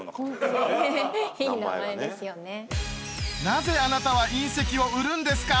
なぜあなたは隕石を売るんですか？